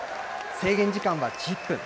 制限時間は１０分。